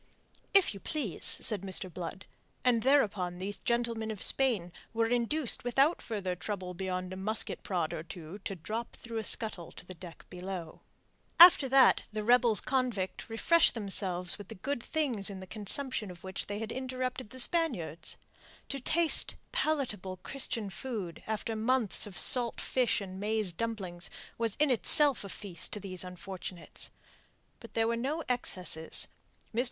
"If you please," said Mr. Blood, and thereupon those gentlemen of Spain were induced without further trouble beyond a musket prod or two to drop through a scuttle to the deck below. After that the rebels convict refreshed themselves with the good things in the consumption of which they had interrupted the Spaniards. To taste palatable Christian food after months of salt fish and maize dumplings was in itself a feast to these unfortunates. But there were no excesses. Mr.